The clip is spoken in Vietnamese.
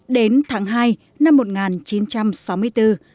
đến tháng hai năm một nghìn chín trăm sáu mươi bốn đồng chí lê đức anh tập kết ra bắc